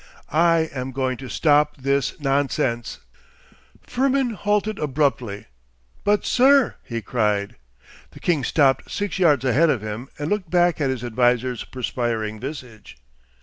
I am going to stop this nonsense.' Firmin halted abruptly. 'But, sir!' he cried. The king stopped six yards ahead of him and looked back at his adviser's perspiring visage.